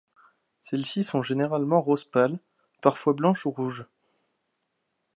Celles-ci sont généralement rose pale, parfois blanches ou rouges.